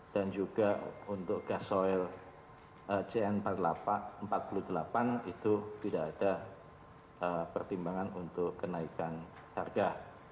dan juga untuk gasol cn empat puluh delapan itu tidak ada pertimbangan untuk kenaikan harga